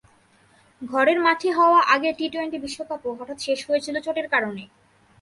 ঘরের মাঠে হওয়া আগের টি-টোয়েন্টি বিশ্বকাপও হঠাৎ শেষ হয়েছিল চোটের কারণে।